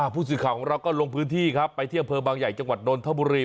ผู้สื่อข่าวของเราก็ลงพื้นที่ครับไปที่อำเภอบางใหญ่จังหวัดนนทบุรี